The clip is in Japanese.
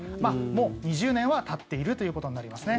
もう２０年はたっているということになりますね。